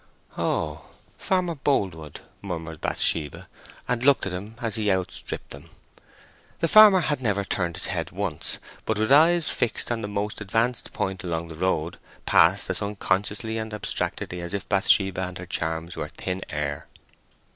"Oh, Farmer Boldwood," murmured Bathsheba, and looked at him as he outstripped them. The farmer had never turned his head once, but with eyes fixed on the most advanced point along the road, passed as unconsciously and abstractedly as if Bathsheba and her charms were thin air.